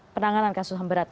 penanganan kasus ham berat